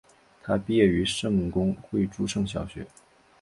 他毕业于圣公会诸圣小学。